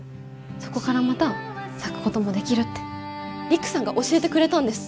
そこからまた咲くこともできるって陸さんが教えてくれたんです。